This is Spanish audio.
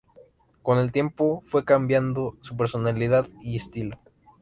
Con el tiempo fue cambiando su personalidad y estilo.